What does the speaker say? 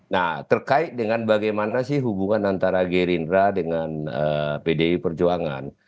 nah terkait dengan bagaimana sih hubungan antara gerindra dengan pdi perjuangan